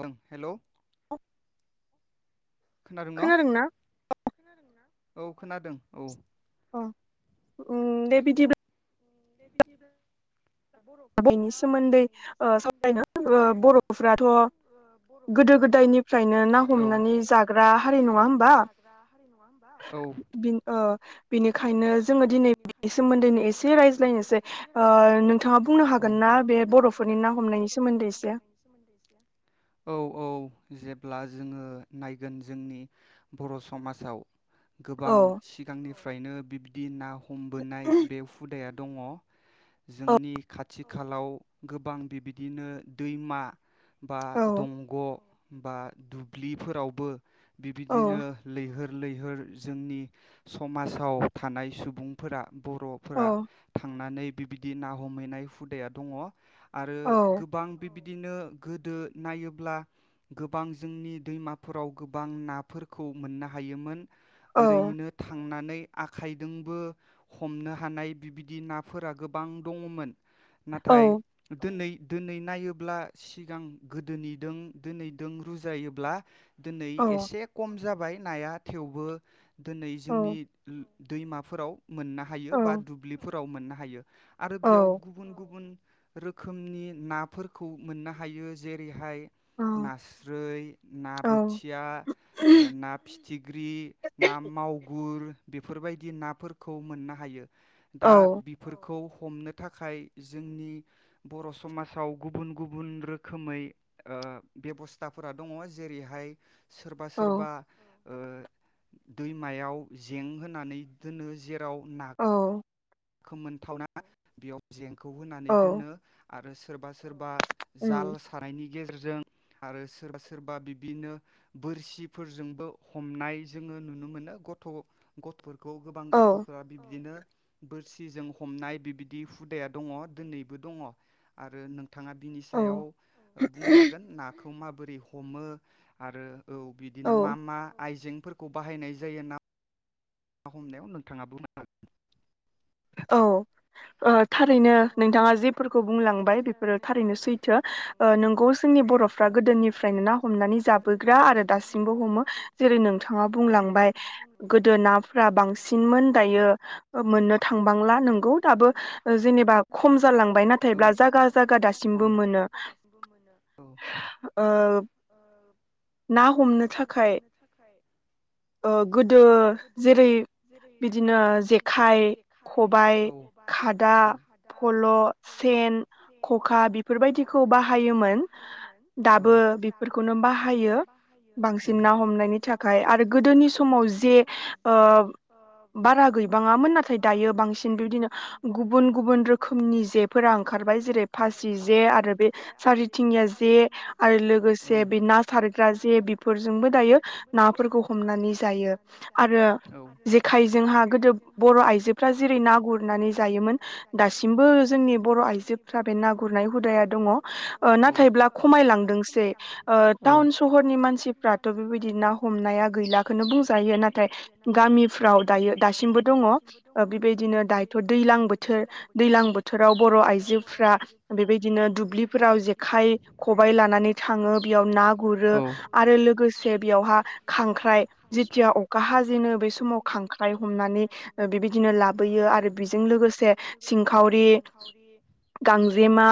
ओं हेलौ [unintelligible] खोनादोंना अ औ खोनादों औ अ उम दे बिदिब्ला दे बिदिब्ला औ बिनि अ बिनिखायनो जोङो दिनै बेनि सोमोन्दैनो एसे राय औ औ औ जेब्ला जोङो नायगोन जोंनि बर' समासाव गोबां सिगांनिफ्रायनो बि दि ना हमबोनाय बे हुदाया दङ जोंनि खाथि खालाव गोबां बिबिदिनो दैमा बा दंग बा दुब्लिफोरावबो बिबिदिनो लैहोर लैहोर जोंनि समाजाव थानाय सुबुंफोरा बर'फोरा थांनानै बिबिदि ना हमहैनाय हुदाया दङ। आरो गोबां बिबिदिनो गोदो नायोब्ला गोबां जोंनि दैमाफोराव गोबां नाफोरखौ मोननो हायोमोन। ओरैैनो थांनानै आखाइदोंबो हमनो हानाय बिबि दि नाफोरा गोबां दङमोन। नाथाय दोनै दोनै नायो ब्ला सिगां गोदोनिदों, दोनैदों रुजायोब्ला दोनै एसे खम जाबाय नाया थेवबो दोनै जोंनि दैमा फोराव मोननो हायो, बा दुब्लि फोराव मोननो हायो आरो बेयाव गुबुन गुबुन - रोखोमनि नाफोरखौ मोननो हायो जेरैहाय नास्राय ना बोथिया ना फिथिख्रि ना मावगुर बेफोरबायदि नाफोरखौ मोननो हायो। दा बिफोरखौ हमनो थाखाय जोंनि बर' समाजाव गुबुन गुबुन रोखोमै ओ बेबस्थाफोरा दङ जेरैहाय सोरबा सोरबा ओ दैमायाव जें होनानै दोनो जेराव ना खोम मोनथावना बेयाव जें खौ होनानै दोननो आरो सोरबा सोरबा जाल सानायनि गेजेरजों जों आरो सोरबा सोरबा बिदिनो बोरसिफोरजोंबो हमनाय जोङो नुनो मोनो गथ' गथ'फोर खौ गोबां गथ'फोरा बिब्दिनो बोरसिजों हमनाय बिबायदि हुदाया दङ दोनैबो दङ आरो नों थाङा बिनि सायाव ओ बुंजागोन नाखौ खौ माबोरै हमो आरो औ बिदिनो मा मा आइजें फोरखौ बाहायनाय जायो ना ना हमनायाव नोंथाङा बुंनो हागोन। औ ओ थारैनो नोंथाङा जेफोरखौ बुंलांबाय बेफोरो थारैनो सैथो ओ नोंगौ जोंनि बर'फ्रा गोदोनिफ्रायनो ना हमनानै जाबोग्रा आरो दासिमबो हमो जेरै नोंथाङा बुंलांबाय गोदो नाफ्रा बांसिनमोन दायो ओ मोननो बांला नोंगौ दाबो ओ बा खम जालांबाय नाथायब्ला जागा जागा दासिमबो मोनो ओ ना हमनो थाखाय ओ गोदो जेरै बिदिनो जेखाइ खाइ, खबाइ खादा फल सेन खखा बेफोर बायदिखौ बाहायोमोन दाबो बेफोरखौनो बाहायो बांसिन ना हमनायनि थाखाय आरो गोदोनि समाव जे ओ बारा गै दायो बांसिन बिबायदिनो गुबुन गुबुन रोखोमनि जेफोरा ओंखारबाय जेरै फासि जे आरो बे सारिथिंयिया जे आरो लोगोसे बे ना सारग्रा जे बेफोरजोंबो दायो नाफोरखौ हमनानै जायो आरो जेखायजोंहा गोदो बर'आयजो फ्रा जेरै ना गुरनानै जायोम दासिमबो जोंनि बर' आइजोफ्रा बे ना गुरनाय हुदाया दंङ ओ नाथायब्ला खमायलांदोंसै ओ टाउन सहरनि मानसिफ्राथ बेबायदि ना हमनाया गैलाखोनो बुंजायो नाथाय गामिफ्राव दायो दासिमबो दंङ। ओ बेबायदिनो दायोथ दैलां बोथ थोर दैलां बोथोराव बर' आइजोफ्रा बेबायदिनो दुब्लिफोराव जेखाइ खबाइ लानानै थांङो बेयाव ना गुरो आरो लोगोसे बेयावहा खांख्राइ जिथिया अखा हाजेनो बे समाव खांख्राइ हमनानै ओ बे बायदि दिनो लाबोयो आरो बेजों लोगोस से सिंखावरि गांजेमा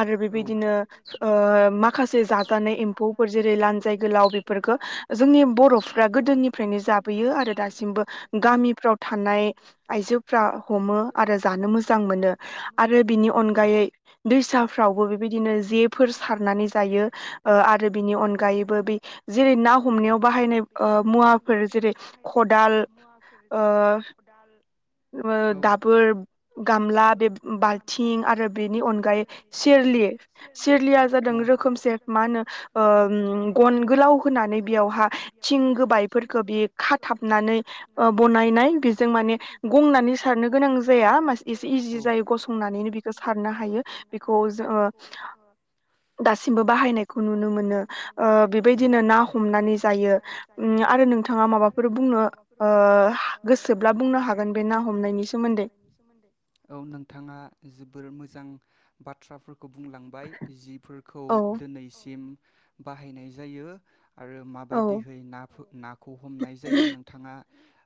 आरो बेबायदिनो ओ माखासे जाजानाय एम्फौफोर जेरै लान्जाय गोलाव बेफोरखो जोंनि बरफ्रा गोदोनिफ्रायनो जाबोयो आरो दासिमबो गामिफ्राव थानाय आयजोफ्रा हमो आरो जानो मोजां मोनो आरो बिनि अनगायै दैसाफ्रावबो बेबायदिनो जेफोर सारनानै जायो ओ आरो बिनि अनगायैबो बे जेरै ना हमनायाव बाहायनाय ओ मुवाफोर जेरै खदाल ओ ओ दाबोर, गामला बे बालथिं आरो बेनि अनगायै सेरलि सेरलिया जादों रोखोमसे मा होनो ओम गन गोलाव होनानै बेयावहा थिं गोबायफोरखो बि खाथाबनानै ओ बनायनाय बि दों माने गंनानै सारनो गोनां जाया मास एसे इजि जायो गंसंनानैनो बेखौ सारनो हायो बेखौ खौ जोंङो दासिमबो बाहायनायखौ नुनो मोनो ओ बेबायदिनो ना हमनानै जायो उम आरो नोंथाङा माबाफोर बुंनो ओ गोसो गोसोब्ला बुंनो हागोन बे ना हमनायनि सोमोन्दै औ नोंथाङा जोबोर मोजां बाथ्राफोर खौ बुंलांबाय जिफोरखौ दिनैसिम बाहायनाय जायो। आरो माबायदिहै ना फो नाखौ हमनाय जायो नोंथाङा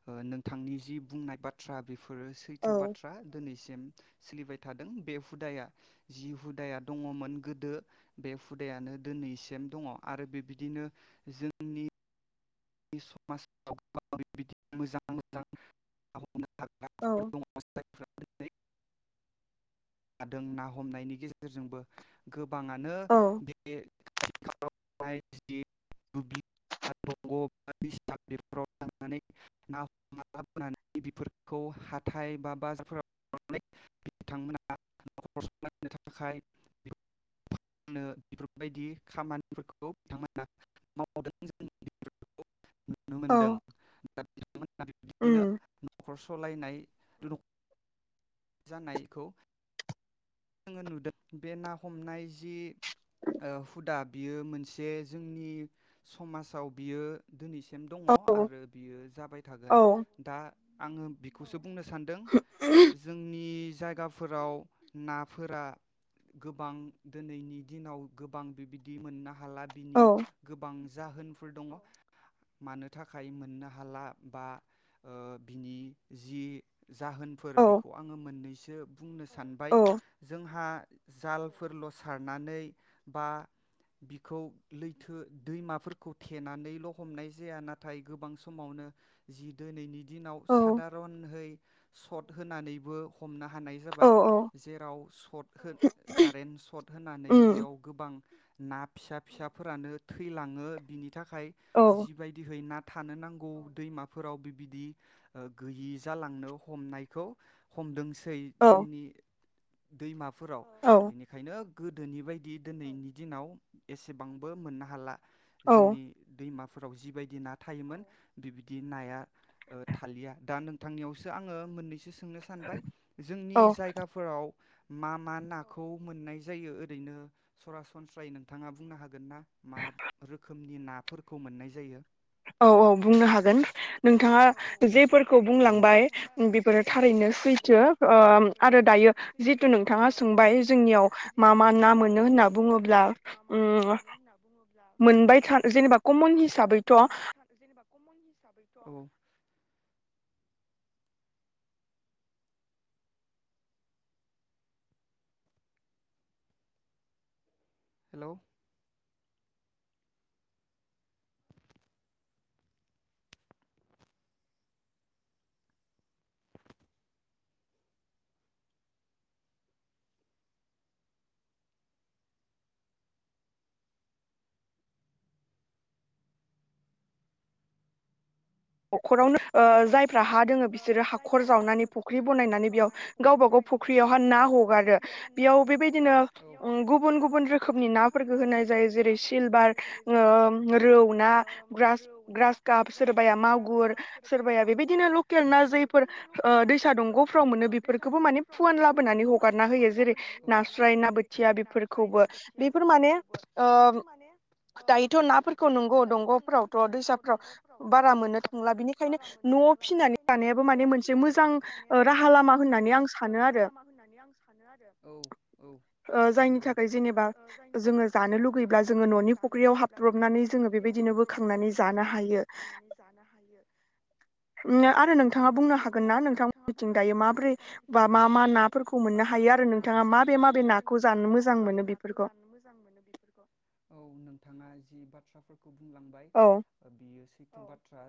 ओ नोंथांनि जि बुंनाय बाथ्रा बे फोर सैथो बाथ्रा दिनैसिम उम सोलिबाय थादों बे हुदाया जि हुदाया दङमोन गोदो बे हुदायानो दिनैसिम दङ आरो बिब्दिनो जोंनि नि समाजाव मा बायदि मोजां मोजां औ स [unintelligible] जादों ना हमनायनि गेजेरजोंबो गोब गोबाङानो बे [unintelligible] [unintelligible] नखर सनो थाखाय नो बेफोरबायदि खामानिफोरखौ बिथांमोना मावदों जों नुनो मोनदों [unintelligible] सालायनाय जानायखौ जोङो नुदों बे ना हमनाय जि ओ हुदा बियो मोनसे जोंनि समाजाव बियो दिनैसि सिम दङ आरो बियो जाबाय थागोन दा आङो बेखौसो बु बुंनो सान्दों जोंनि जायगाफोराव ना फोरा गोबां दिनैनि दिनाव गोबां बिबायदि मोनना हाला बिनि गोबां जाहोनफोर दङ मानो थाखाय मोननो हाला बा ओ बिनि जि जाहोनफोर बेखौ आङो मोननैसो बुंनो सानबाय जोंहा जालफोरल सारनानै बा बिखौ लैथो दैमाफोरखौ थेनानैल हमनाय जाया नाथाय गोबां समावनो जि दोनैनि दिनाव सादारनहै सट होनानैबो हमना हानाय जाबाय जेराव सर्टखो कारेन्ट सर्ट होनानै बेयाव गोबां ना फिसा फिसाफोरानो थैलाङो बिनि थाखाय जिबायदिहै ना थानो नांगौ दैमाफोराव बिबायदि गैयि जालांनो हमनायखौ हमदोंस है जोंनि दैमा फोराव बिनिखायनो गोदोनि बायदि दिनैनि दिनाव एसेबांबो मोननो हाला जोंनि दैमा फोराव जिबायदि ना थायोमोन बिबिदि नाया ओ थालिया दा नोंथांनियावसो आङो मोननैसो सोंनो सानबाय जोंनि जायगाफोराव मा मा नाखौ मोननाय जायो ओरैनो सरासनस्रायै नोंथाङा बुंनो हागोन ना मा रोखोमनि नाफोरखौ मोननाय जायो औ-औ बुंनो हागोन नोंथाङा जेफोरखौ बुंलांबाय बेफोरो थारैनो सैथो ओ आरो दायो जि थु नोंथाङा सोंबाय जोंनियाव मा मा ना मोनो होनना बुङोब्ला ओम मोनबाय था जेनेबा कमन हिसाबै मोनबाय थादो जेन बा कमन हिसाबैथ हेलौ नखरावनो ओ जायफ्रा हा दोङो बिसोरो हाखर जावनानै फुख्रि बनायनानै बेयाव गावबा गाव फुख्रियावहा ना हगारो बेयाव बेबायदिनो ओ गुबुन गुबुन रोखोमनि नाफोरखौ होनाय जायो जेरै सिलभार ओ रौ ना ग्रास ग्रास गाब सोरबाया माव सोरबाया बेबायदिनो लकेल ना जैफोर ओ दैसा दंगफ्राव मोनो बेफोरखौबो माने फुवान लाबोनानै हगारना होयो जेरै नास्राय ना बोथिया बेफोरखौबो बेफोर माने ओ दायोथ नाफोरखौ नंगौ दंगफ्रावथ दैसाफ्राव बारा मोननो बारा मोननो थांला बेनिखायनो नआव फिनानै जानायाबो माने मोनसे मोजां ओ राहा लामा होननानै आं सानो आरो औ औ नंगौ ओ जायनि थाखाय जेनेबा जोङो जानो लुुगैब्ला जोङो ननि फख्रियाव हाबब्रबनानै जोङो बेबायदिनो बोखांनानै जानो हा ओम आरो नों ओम आरो नोंथाङा बुंनो हागोन ना नोंथांमोननिथिं दायो माब्रै बा मा मा नाफोरखौ मोननो हायो आरो नोंथाङा माबे माबे नाखौ जानो मोजां मोनो बेफोरखौ थाङा जि बाथ्राफोर खौ बुंलांबाय ओ बियो सैथो औ बाथ्रा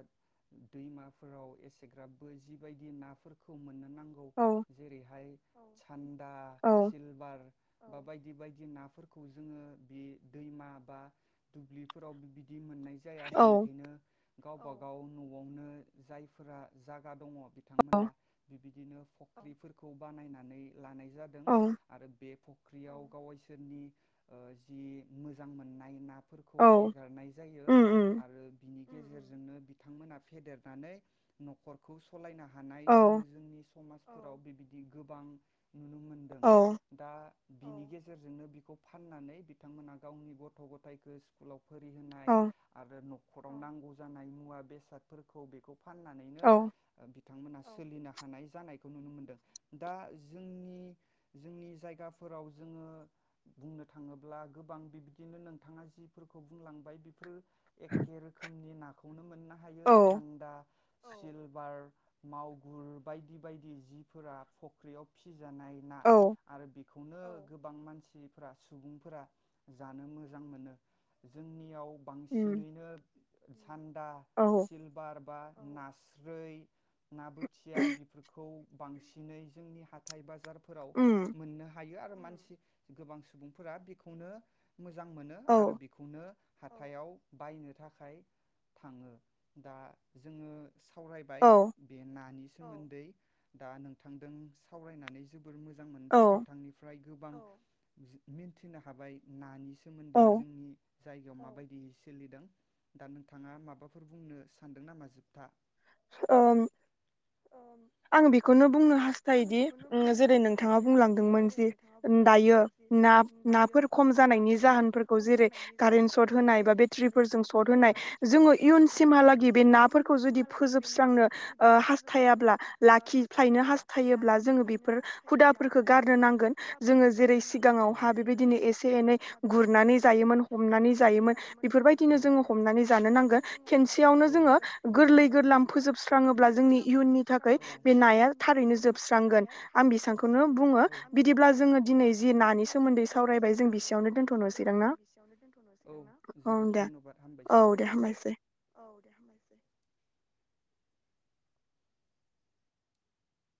दैमाफोराव एसेग्राब बो जिबायदि नाफोरखौ मोननो नांगौ जेरैहाय सान दा सिलभार बा बायदि बायदि नाफोरखौ जोङो बे दैमा बा दुब्लिफोराव बि बिदि दि मोननाय जाया बिनिखायनो गावबा गाव नआवनो जायफोरा जाग दङ बिथांमोना बि बिदि दिनो फुख्रिफोरखौ बानायनानै लानाय जादों आरो बे फ ख्रियाव गाव सोरनि जि मोजां मोननाय ना फोरखौ एगारनाय जायो आरो बिनि गेजेरजोंनो बिथांमोना फेदेरनानै नखर खौ सु सलायनो हानाय जोङो जोंनि समाजफोराव बेबायदि गोबां नुनो मोनदों दा बिनि गेजेरजोंनो बिखौ फाननानै बिथांमोना गावनि गथ गथायाइखौ स्कुलाव फोरि होनाय आरो नखराव नांगौ जानाय मुवा बेसादफोरखौ बेखौ फानना औ बिथांमोना सोलिनो हानाय जानायखौ नुनो मोनदों दा जोंनि जोंनि जायगाफोराव जोङो बुंनो थाङोब्ला गोबां बिब्दिनो नोंथाङा जिफोरखौ बुंलांबाय बेफोर एखे रोखोमनि ना खौनो मोनना हायो सान्दा औ जिल बार मावगुर बायदि बायदि जिबफोरा‌ फख्रियाव फिसि जानाय ना आरो खौनो गोबां मानसिफोरा सुबुंफोरा जानो मोजां मोनो जोंनियाव बांसिनैनो थान्दा सिलभार बा उनास रै ना बोथिया बिफोरखौ बांसिनै जोंनि हाथाइ बाजार फोराव मोननो हायो आरो मानसि गोबां सुबुंफोरा बेखौनो मोजां मोनो आरो बेखौनो हाथायाव बायनो थाखाय थाङो दा जोङो सावरायबाय बे नानि सोमोन्दै दा नोंथां दों सावरायनानै जो बोर मोजां मोनबाय नोंथांनिफ्राय गोबां मिन्थिनो हाबाय नानि सोमोन्दै जोंनि जायगायाव माबायदि सोलिदों दा नोंथाङा माबाफोर बुंनो सानदों नामा जोबथा? ओं आं बेखौनो बुंनो हास्थायोदि जेरै नोंथाङा बुंलांदोंमोन जि दायो ना नाफोर खम जानायनि जाहोनफोरखौ जेरै कारेन्ट सर्ट होनाय बा बेटारिफोरजों सर्ट होनाय जोङो इयुनसिमहालागि बे नाफोरखौ जुदि फोजोबस्रांनो ओ हास्थायाब्ला लाखिथायनो हास्थायोब्ला जोङो बेफोर हुदाफोरखौ गारनो नांगोन जो जेरै सिगाङावहा बेबायदिनो एसे एनै गुरनानै जायोमोन हमनानै जायोमोन बेफोरबायदिनो जोङो हमनानै जानो नांगोन खोनसेयावनो जोङो गोरलै गोर फोजोबस्रांङोब्ला गोरलाम फोजोबस्राङोब्ला जोंनि इयुननि थाखाय बे नाया थारैनो जोबस्रांगोन औ आं बिसांखौनो बुङो बिदिब्ला जोङो दिनै जि नानि सोमोन्दै सावरायबाय जों बिसेयावनो दोननानै जोबथबाय। औ दे हामबायसै।